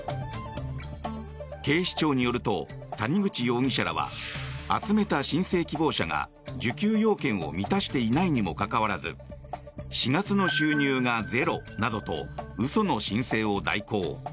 警視庁によると谷口容疑者らは集めた申請希望者が受給要件を満たしていないにもかかわらず４月の収入がゼロなどと嘘の申請を代行。